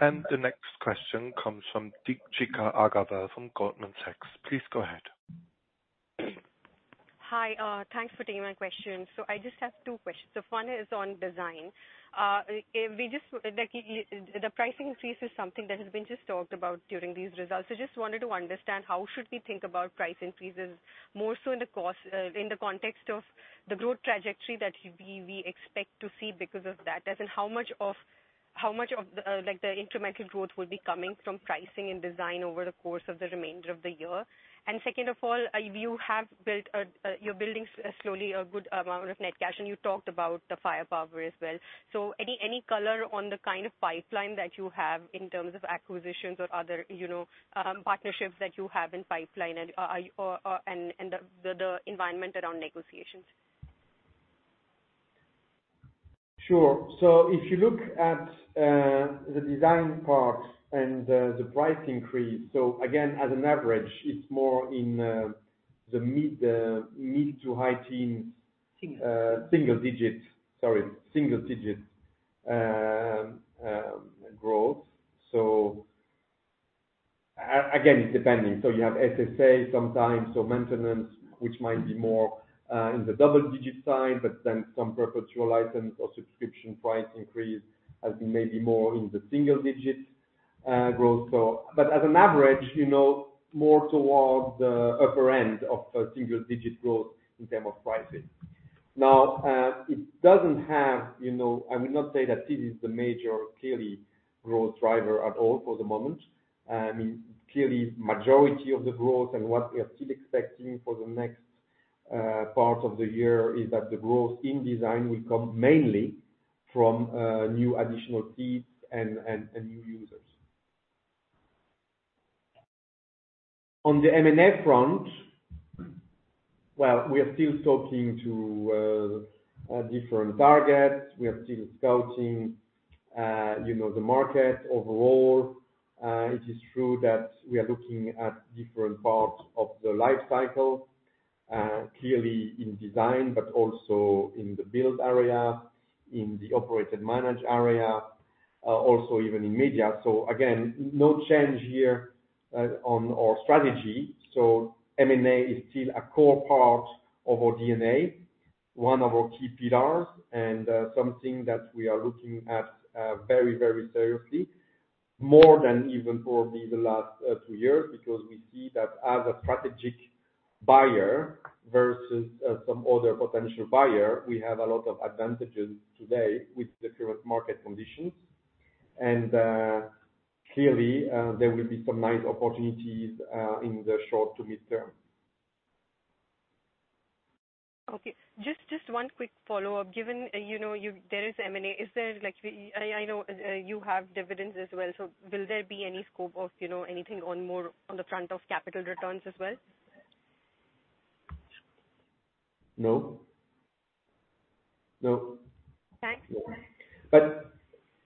The next question comes from Deepshikha Agarwal from Goldman Sachs. Please go ahead. Hi. Thanks for taking my question. I just have two questions. The first one is on design. Like the pricing increase is something that has been just talked about during these results. Just wanted to understand, how should we think about price increases more so in the context of the growth trajectory that we expect to see because of that. As in how much of the like the incremental growth will be coming from pricing and design over the course of the remainder of the year. Second of all, You're building slowly a good amount of net cash, and you talked about the firepower as well. Any color on the kind of pipeline that you have in terms of acquisitions or other, you know, partnerships that you have in pipeline. Or and the environment around negotiations? Sure. If you look at, the design part and, the price increase, again, as an average, it's more in the mid to high teens. Single. Single-digits, sorry. Single-digits growth. Again, it's depending. You have SSA sometimes, maintenance, which might be more in the double-digit side, but then some perpetual items or subscription price increase has been maybe more in the single-digits growth. But as an average, you know, more towards the upper end of a single-digit growth in term of pricing. Now, it doesn't have, you know, I would not say that this is the major clearly growth driver at all for the moment. I mean, clearly majority of the growth and what we are still expecting for the next part of the year is that the growth in Design will come mainly from new additional seats and new users. On the M&A front, well, we are still talking to different targets. We are still scouting, you know, the market overall. It is true that we are looking at different parts of the life cycle, clearly in design, but also in the build area, in the operate and manage area, also even in media. Again, no change here, on our strategy. M&A is still a core part of our DNA, one of our key pillars, and something that we are looking at very, very seriously, more than even probably the last 2 years, because we see that as a strategic buyer versus some other potential buyer, we have a lot of advantages today with the current market conditions. Clearly, there will be some nice opportunities in the short to midterm. Okay. Just one quick follow-up. Given, you know, there is M&A, is there like... I know, you have dividends as well, will there be any scope of, you know, anything on more on the front of capital returns as well? No. No. Thanks.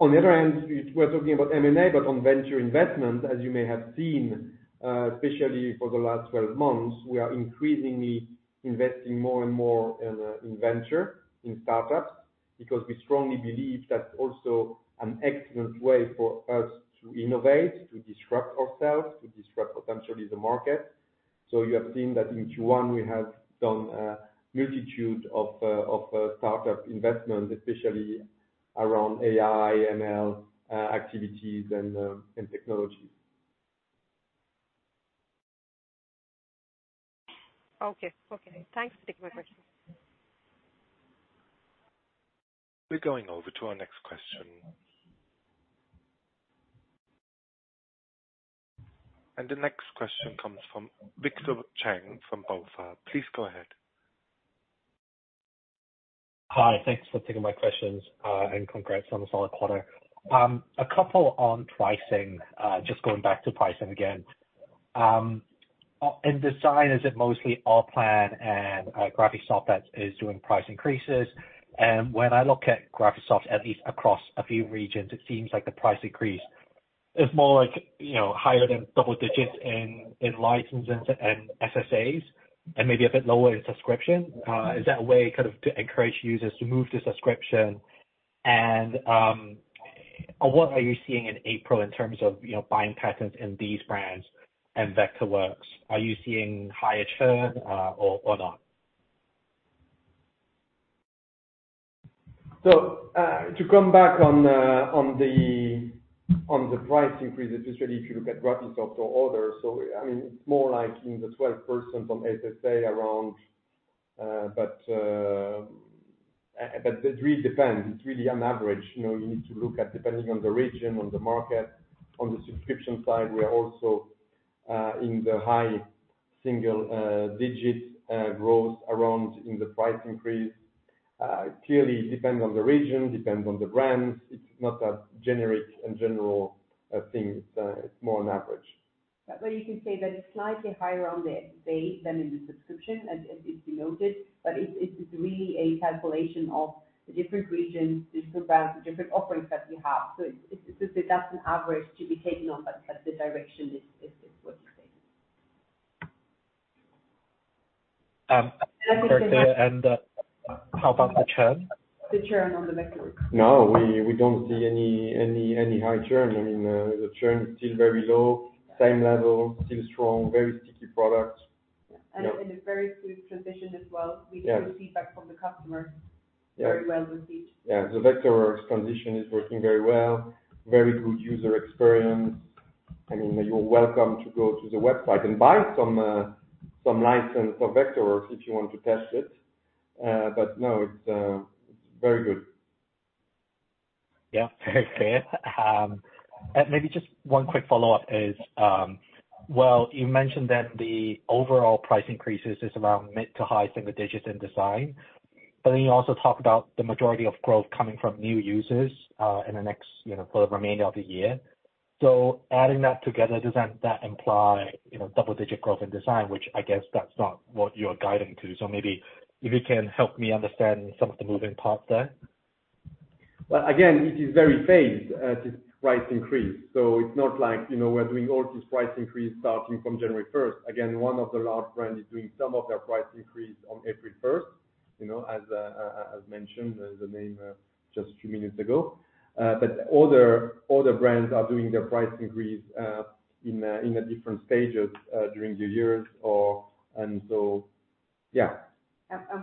On the other hand, we're talking about M&A, but on venture investment, as you may have seen, especially for the last 12 months, we are increasingly investing more and more in venture, in startups, because we strongly believe that's also an excellent way for us to innovate, to disrupt ourselves, to disrupt potentially the market. You have seen that in Q1, we have done a multitude of startup investment, especially around AI, ML activities and technologies. Okay. Thanks for taking my question. We're going over to our next question. The next question comes from Victor Cheng from BofA. Please go ahead. Hi. Thanks for taking my questions, and congrats on the solid quarter. A couple on pricing, just going back to pricing again. In design, is it mostly Allplan and Graphisoft that is doing price increases? When I look at Graphisoft, at least across a few regions, it seems like the price increase is more like, you know, higher than double digits in licenses and SSAs, and maybe a bit lower in subscription. Is that a way kind of to encourage users to move to subscription? What are you seeing in April in terms of, you know, buying patterns in these brands and Vectorworks? Are you seeing higher churn or not? To come back on the price increase, especially if you look at Graphisoft or others. I mean, it's more like in the 12% on SSA around, but it really depends. It's really on average, you know, you need to look at depending on the region, on the market. On the subscription side, we are also in the high single digits growth around in the price increase. Clearly it depends on the region, depends on the brands. It's not a generic and general thing. It's more on average. You can say that it's slightly higher on the base than in the subscription, as we noted. It's really a calculation of the different regions, different brands, different offerings that we have. It's just a dozen average to be taken on, but the direction is what you're saying. How about the churn? The churn on the Vectorworks. No, we don't see any high churn. I mean, the churn is still very low, same level, still strong, very sticky product. A very smooth transition as well. Yeah. We get feedback from the customer. Yeah. very well received. Yeah. The Vectorworks transition is working very well. Very good user experience. I mean, you're welcome to go to the website and buy some license of Vectorworks if you want to test it. No, it's very good. Yeah. Very clear. Maybe just one quick follow-up is, well, you mentioned that the overall price increases is around mid to high single digits in design. You also talked about the majority of growth coming from new users, in the next, you know, for the remainder of the year. Adding that together, doesn't that imply, you know, double-digit growth in design, which I guess that's not what you're guiding to. Maybe if you can help me understand some of the moving parts there. Well, again, it is very phased, this price increase. It's not like, you know, we're doing all this price increase starting from January first. Again, one of the large brands is doing some of their price increase on April first, you know, as mentioned the name, just a few minutes ago. But other brands are doing their price increase in a different stages during the years or... yeah.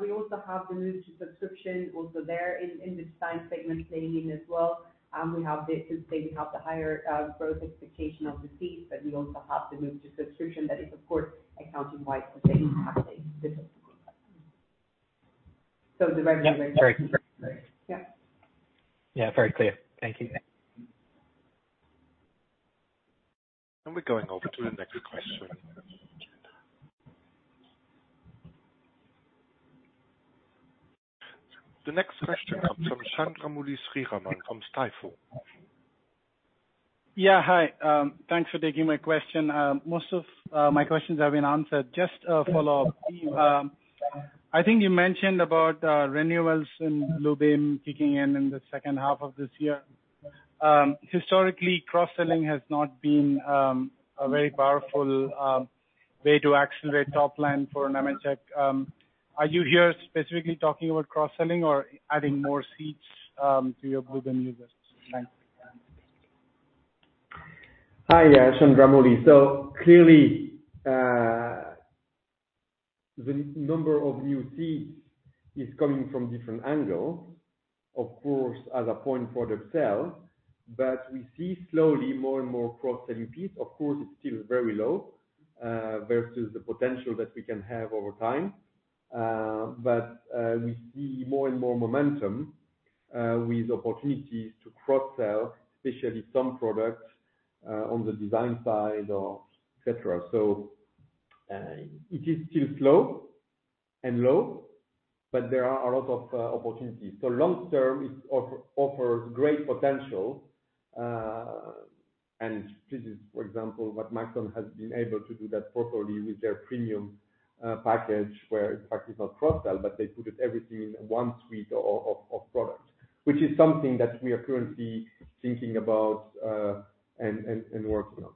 We also have the move to subscription also there in the design segment playing in as well. Since they have the higher growth expectation of the seats, we also have the move to subscription that is of course accounting wise the same happening this. The direction. Yeah. Very clear. Thank you. We're going over to the next question. The next question comes from Chandramouli Sriraman from Stifel. Hi, thanks for taking my question. Most of my questions have been answered. Just a follow-up. I think you mentioned about renewals in Bluebeam kicking in in the second half of this year. Historically, cross-selling has not been a very powerful way to accelerate top line for Nemetschek. Are you here specifically talking about cross-selling or adding more seats to your Bluebeam business? Thanks. Hi, yeah, Chandramouli. Clearly, the number of new seats is coming from different angle, of course, as a point for theirself. We see slowly more and more cross-selling piece. Of course, it's still very low, versus the potential that we can have over time. We see more and more momentum, with opportunities to cross-sell, especially some products, on the design side or et cetera. It is still slow and low, but there are a lot of opportunities. Long term, it offers great potential. This is, for example, what Maxon has been able to do that properly with their premium, package where it's actually not cross-sell, but they put everything in one suite of products, which is something that we are currently thinking about, and working on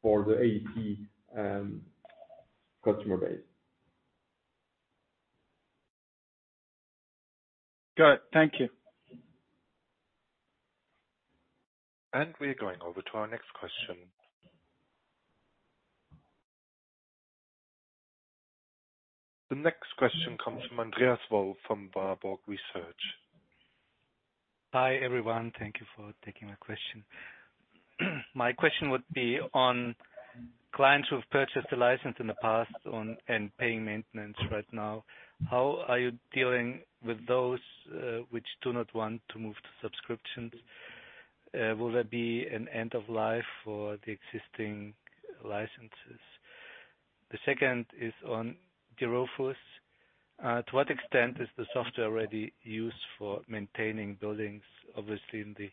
for the AEC, customer base. Got it. Thank you. We're going over to our next question. The next question comes from Andreas Wolf from Warburg Research. Hi, everyone. Thank you for taking my question. My question would be on clients who have purchased a license in the past on and paying maintenance right now. How are you dealing with those which do not want to move to subscriptions? Will there be an end of life for the existing licenses? The second is on dRofus. To what extent is the software already used for maintaining buildings? Obviously, in the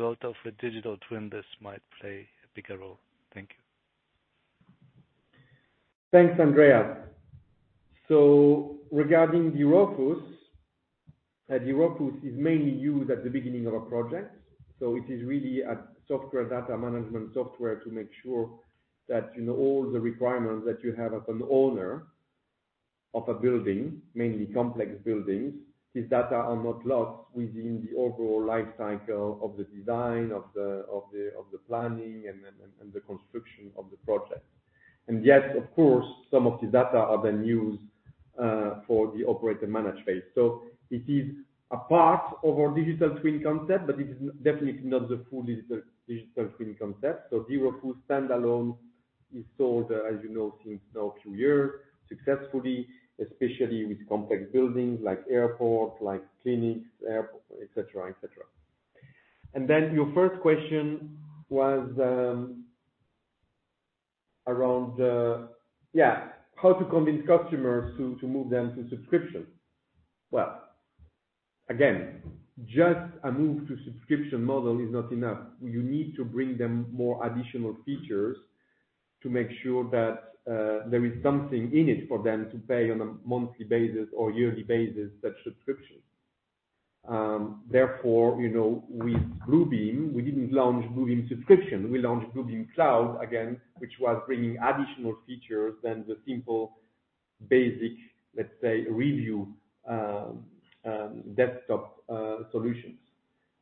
world of a Digital Twin, this might play a bigger role. Thank you. Thanks, Andreas. Regarding dRofus is mainly used at the beginning of a project. It is really a software data management software to make sure that, you know, all the requirements that you have as an owner of a building, mainly complex buildings, these data are not lost within the overall life cycle of the design, of the planning and the construction of the project. Yes, of course, some of the data are then used for the operate and manage phase. It is a part of our Digital Twin concept, but it is definitely not the full Digital Twin concept. dRofus full standalone is sold, as you know, since now a few years successfully, especially with complex buildings like airport, like clinics, et cetera. Your first question was, around, yeah, how to convince customers to move them to subscription. Well, again, just a move to subscription model is not enough. You need to bring them more additional features to make sure that there is something in it for them to pay on a monthly basis or yearly basis that subscription. You know, with Bluebeam, we didn't launch Bluebeam subscription. We launched Bluebeam Cloud again, which was bringing additional features than the simple basic, let's say review, desktop solutions.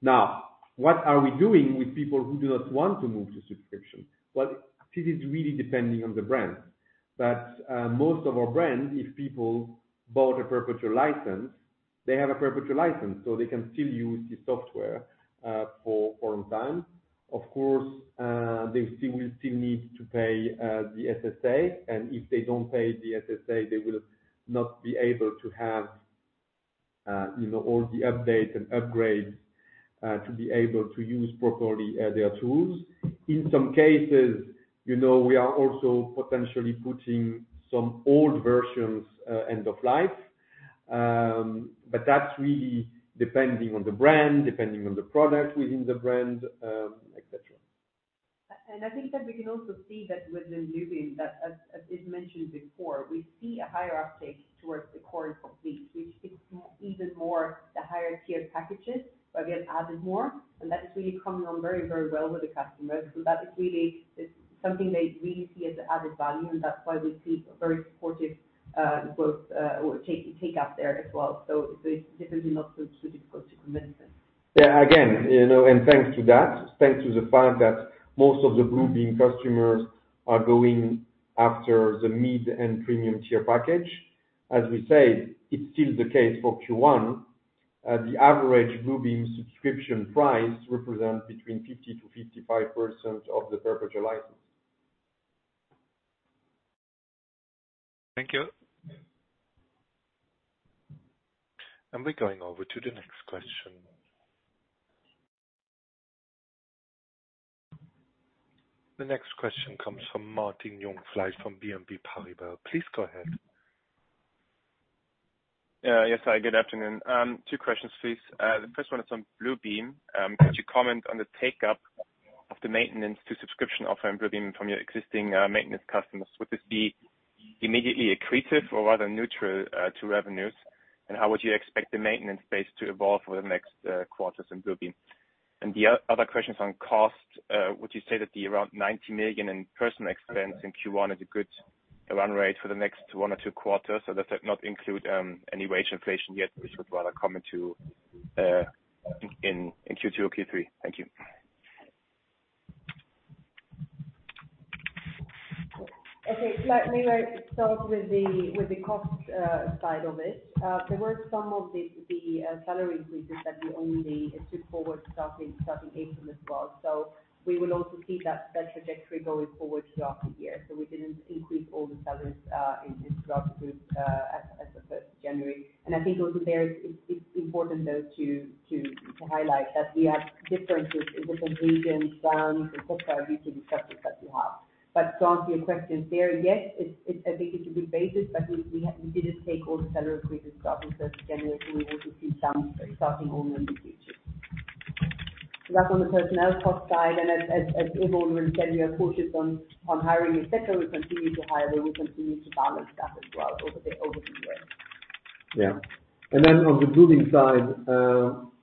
Now, what are we doing with people who do not want to move to subscription? Well, it is really depending on the brand. Most of our brands, if people bought a perpetual license, they have a perpetual license, so they can still use the software for a long time. Of course, they still will still need to pay the SSA, and if they don't pay the SSA, they will not be able to have, you know, all the updates and upgrades to be able to use properly their tools. In some cases, you know, we are also potentially putting some old versions, end of life. That's really depending on the brand, depending on the product within the brand, et cetera. I think that we can also see that within Bluebeam that as Yves mentioned before, we see a higher uptake towards the Core and Complete, which it's even more the higher tier packages where we have added more. That is really coming on very well with the customers. That is really, it's something they really see as added value, and that's why we see a very supportive growth or take up there as well. It's definitely not too difficult to convince them. Yeah. Again, you know, thanks to that, thanks to the fact that most of the Bluebeam customers are going after the mid and premium tier package. As we said, it's still the case for Q1. The average Bluebeam subscription price represents between 50%-55% of the perpetual license. Thank you. We're going over to the next question. The next question comes from Martin Jungfleisch from BNP Paribas. Please go ahead. Yes. Hi, good afternoon. Two questions, please. The first one is on Bluebeam. Could you comment on the take up of the maintenance to subscription offer in Bluebeam from your existing maintenance customers? Would this be immediately accretive or rather neutral to revenues? How would you expect the maintenance base to evolve over the next quarters in Bluebeam? The other question is on cost. Would you say that the around 90 million in personal expense in Q1 is a good run rate for the next one or two quarters? Does that not include any wage inflation yet, which would rather come into in Q2 or Q3? Thank you. Okay. Let me start with the cost side of it. There were some of the salary increases that we only took forward starting April as well. We will also see that spend trajectory going forward throughout the year. We didn't increase all the salaries throughout the group as of first January. I think also there it's important though to highlight that we have differences in different regions and subscription and SaaS structures that we have. To answer your questions there, yes, it's a big picture, big basis, but we didn't take all the salary increases starting first January, so we will see some starting only in the Q2. That's on the personnel cost side. As Yves already said, we are focused on hiring et cetera. We continue to hire. We will continue to balance that as well over the year. Yeah. Then on the Bluebeam side,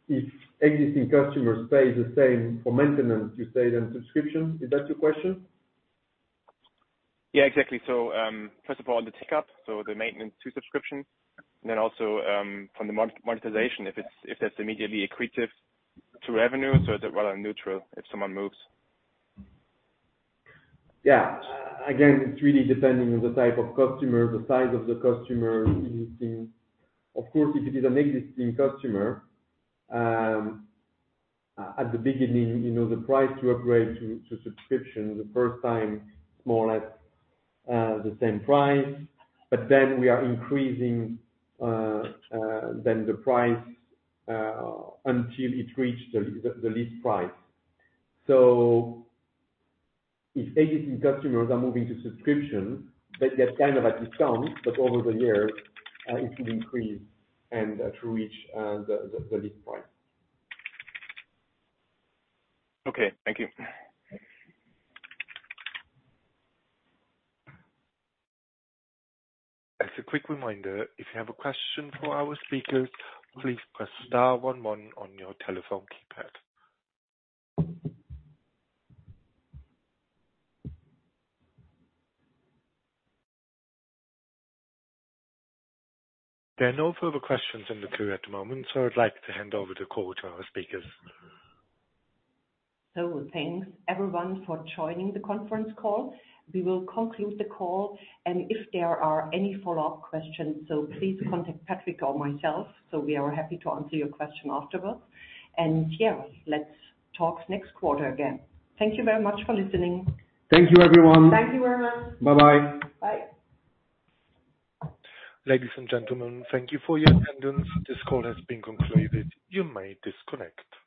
if existing customers pay the same for maintenance, you say then subscription, is that your question? Yeah, exactly. First of all, the tick up, so the maintenance to subscription. From the monetization, if that's immediately accretive to revenue or is it rather neutral if someone moves? Again, it's really depending on the type of customer, the size of the customer. Of course, if it is an existing customer, at the beginning, you know, the price to upgrade to subscription the first time, it's more or less the same price. We are increasing then the price until it reached the list price. If existing customers are moving to subscription, that's kind of at a discount, but over the year, it will increase and to reach the list price. Okay. Thank you. As a quick reminder, if you have a question for our speakers, please press star one one on your telephone keypad. There are no further questions in the queue at the moment, I'd like to hand over the call to our speakers. Thanks everyone for joining the conference call. We will conclude the call. If there are any follow-up questions, please contact Patrick or myself. We are happy to answer your question afterwards. Yeah, let's talk next quarter again. Thank you very much for listening. Thank you everyone. Thank you very much. Bye-bye. Bye. Ladies and gentlemen, thank you for your attendance. This call has been concluded. You may disconnect.